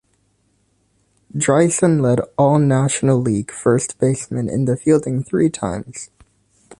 Driessen led all National League first basemen in fielding three times.